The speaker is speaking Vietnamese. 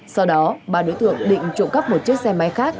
sau đó ba đối tượng định trộm cắp một chiếc xe máy khác